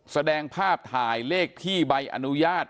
แสดงภาพถ่ายเลขที่ใบอนุญาต